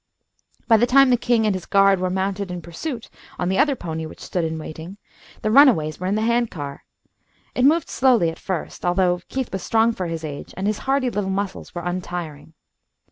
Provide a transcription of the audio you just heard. By the time the king and his guard were mounted in pursuit, on the other pony which stood in waiting, the runaways were in the hand car. It moved slowly at first, although Keith was strong for his age, and his hardy little muscles were untiring.